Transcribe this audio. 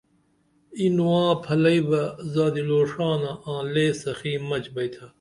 ای نواں پھلئی بہ زادی لوڜانہ آں لے سخی مچ بیئتھا